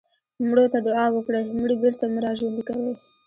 مړو ته دعا وکړئ مړي بېرته مه راژوندي کوئ.